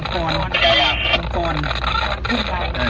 นี่นี่นี่นี่นี่นี่นี่นี่นี่นี่นี่นี่นี่นี่นี่